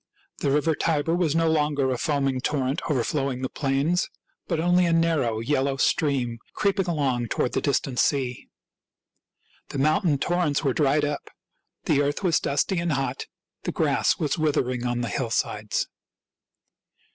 The river Tiber was no longer a foaming torrent over flowing the plains, but only a narrow, yellow stream 1 86 THIRTY MORE FAMOUS STORIES creeping along toward the distant sea. The moun tain torrents were dried up; the earth was dusty and hot ; the grass was withering on the hillsides.